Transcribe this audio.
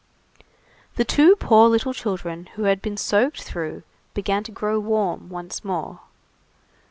The two poor little children who had been soaked through, began to grow warm once more.